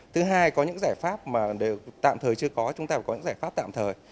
thứ hai có những giải pháp mà đều tạm thời chưa có chúng ta phải có những giải pháp tạm thời